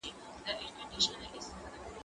زه له سهاره سبزیحات تياروم؟!